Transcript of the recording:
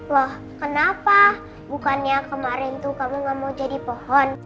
loh kenapa bukannya kemarin tuh kamu gak mau jadi pohon